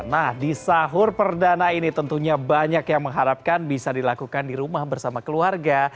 nah di sahur perdana ini tentunya banyak yang mengharapkan bisa dilakukan di rumah bersama keluarga